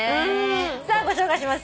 さあご紹介します。